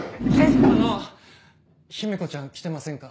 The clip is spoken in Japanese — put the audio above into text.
あの姫子ちゃん来てませんか？